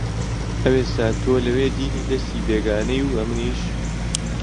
ئەوێستا تۆ لەوێ دیلی دەسی بێگانەی و ئەمنیش